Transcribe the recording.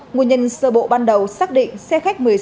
nguồn nhân sơ bộ ban đầu xác định xe khách một mươi sáu